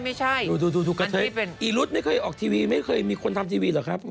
ไม่ใช่ดูอีลุ๊ศไม่เคยออกทีวีไม่เคยมีคนทำทีวีเหรอครับ